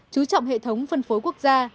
chú trọng hệ thống phân phối quốc gia